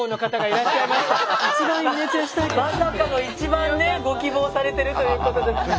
まさかの一番ねご希望されてるということで。